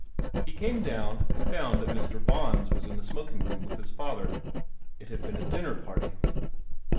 He came down, and found that Mr. Bons was in the smoking room with his father. It had been a dinner party.